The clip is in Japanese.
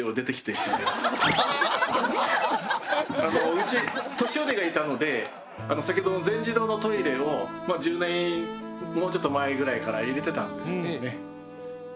うち年寄りがいたので先ほどの全自動のトイレを１０年もうちょっと前ぐらいから入れてたんですよね。